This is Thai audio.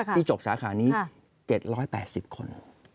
ที่จบสาขานี้๗๘๐คน